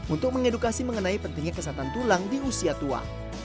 untuk mengedukasi mengenai pentingnya kesehatan tulang di usia tua